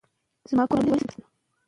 طبیعي زېرمې د خلکو د ژوند د ثبات سبب ګرځي.